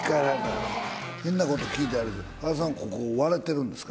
変なこと聞いてあれだけど、波田さん、ここ、割れてるんですか。